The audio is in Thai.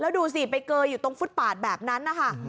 ดูสิไปเกยอยู่ตรงฟุตปาดแบบนั้นนะคะ